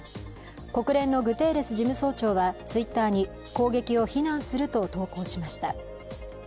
国連のグテーレス事務総長はＴｗｉｔｔｅｒに攻撃を非難すると投稿しました。